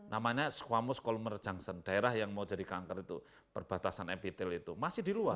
namanya squamus colmer junction daerah yang mau jadi kanker itu perbatasan epitel itu masih di luar